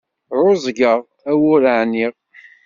Ɛuẓẓgeɣ, ar wur ɛniɣ.